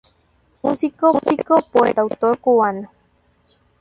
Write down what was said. Músico, poeta y cantautor cubano.